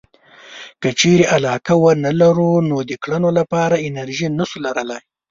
که چېرې علاقه ونه لرو نو د کړنو لپاره انرژي نشو لرلای.